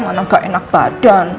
mana nggak enak badan